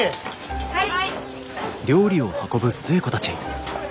はい！